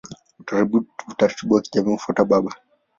Utaratibu wa kijamii hufuata baba.